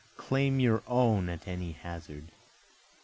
claim your own at any hazard!